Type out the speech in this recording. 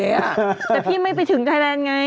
แต่พี่ไม่ไปถึงไทยแลนด์ไง